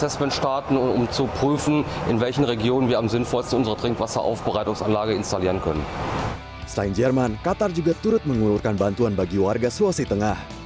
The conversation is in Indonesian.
selain jerman qatar juga turut mengulurkan bantuan bagi warga sulawesi tengah